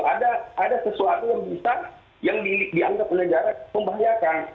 ada sesuatu yang bisa yang dianggap menegakkan membahayakan